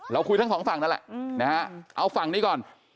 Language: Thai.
คุยทั้งสองฝั่งนั่นแหละนะฮะเอาฝั่งนี้ก่อน